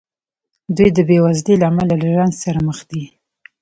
دوی د بېوزلۍ له امله له رنځ سره مخ دي.